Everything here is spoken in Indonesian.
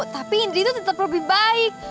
tapi indri tuh tetep lebih baik